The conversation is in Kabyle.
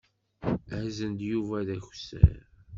Azen-d Yuba d akessar.